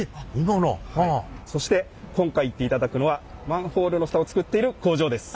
そして今回行っていただくのはマンホールの蓋を作っている工場です。